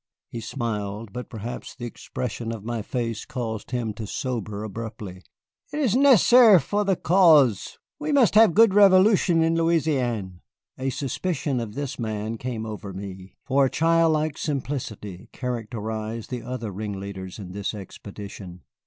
He smiled, but perhaps the expression of my face caused him to sober abruptly. "It is necessair for the cause. We must have good Revolution in Louisiane." A suspicion of this man came over me, for a childlike simplicity characterized the other ringleaders in this expedition.